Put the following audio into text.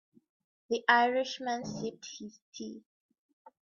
The Irish man sipped his tea.